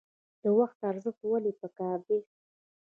د وخت ارزښت ولې پکار دی؟